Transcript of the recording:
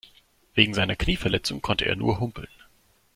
Wegen seiner Knieverletzung konnte er nur humpeln.